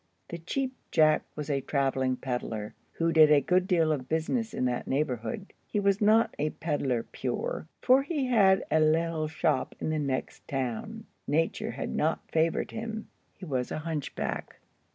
The Cheap Jack was a travelling pedler, who did a good deal of business in that neighborhood. He was not a pedler pure, for he had a little shop in the next town. Nature had not favored him. He was a hunchback.